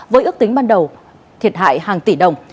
với ước tính ban đầu thiệt hại hàng tỷ đồng